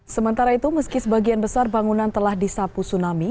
sementara itu meski sebagian besar bangunan telah disapu tsunami